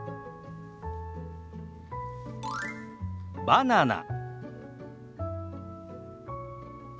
「バナナ」。